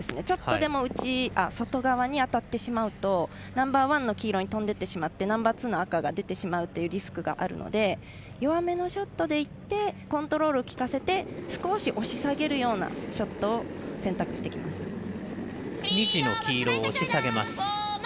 ちょっとでも外側に当たってしまうとナンバーワンの黄色に飛んでいってしまってナンバーツーの赤が出てしまうというリスクがあるので弱めのショットでいってコントロールをきかせて少し押し下げるようなショットを選択してきました。